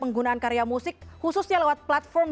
penggunaan karya musik khususnya lewat platform